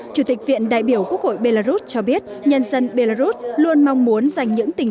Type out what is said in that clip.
chủ tịch viện đại biểu quốc hội belarus cho biết nhân dân belarus luôn mong muốn dành những tình